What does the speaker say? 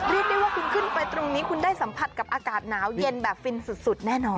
เรียกได้ว่าคุณขึ้นไปตรงนี้คุณได้สัมผัสกับอากาศหนาวเย็นแบบฟินสุดแน่นอน